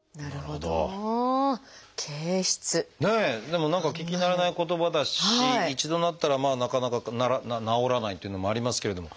でも何か聞き慣れない言葉だし一度なったらなかなか治らないっていうのもありますけれども。